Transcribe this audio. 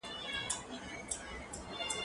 زه اوږده وخت بازار ته ځم وم،